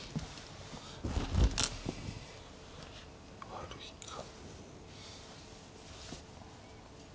悪いか。